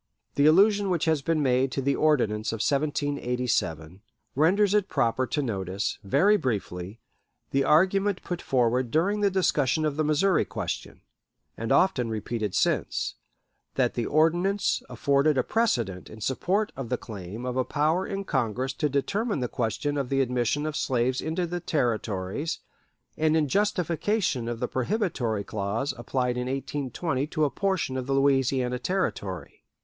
The allusion which has been made to the Ordinance of 1787, renders it proper to notice, very briefly, the argument put forward during the discussion of the Missouri question, and often repeated since, that the Ordinance afforded a precedent in support of the claim of a power in Congress to determine the question of the admission of slaves into the Territories, and in justification of the prohibitory clause applied in 1820 to a portion of the Louisiana Territory.